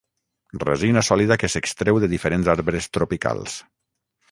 Resina sòlida que s'extreu de diferents arbres tropicals.